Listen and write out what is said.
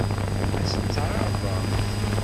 Ad sen-tt-tɛeṛḍemt?